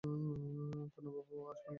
পানুবাবু আসবেন না কেন?